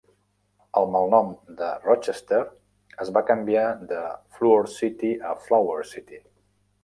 El malnom de Rochester es va canviar de Flour City a Flower City.